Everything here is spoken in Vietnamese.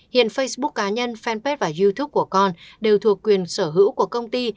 hiện facebook cá nhân fanpage và youtube của con đều thuộc quyền sở hữu của công ty